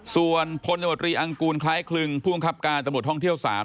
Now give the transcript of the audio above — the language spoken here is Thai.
ส่วนพลนอังกูลคล้ายคลึงภูมิคับการตท่องเที่ยว๓